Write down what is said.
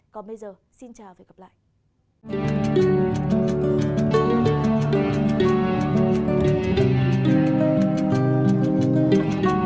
còn bây giờ xin chào và hẹn gặp lại